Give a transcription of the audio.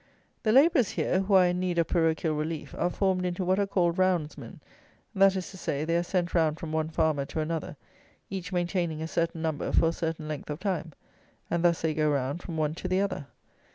The labourers here, who are in need of parochial relief, are formed into what are called roundsmen; that is to say, they are sent round from one farmer to another, each maintaining a certain number for a certain length of time; and thus they go round from one to the other.